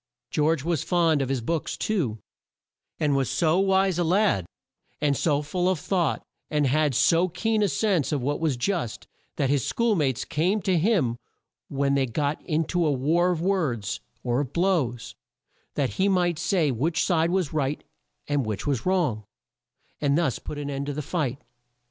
George was fond of his books too, and was so wise a lad, and so full of thought, and had so keen a sense of what was just, that his school mates came to him when they got in to a war of words, or of blows, that he might say which side was right and which was wrong, and thus put an end to the fight.